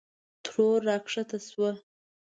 ترور راکښته شوه.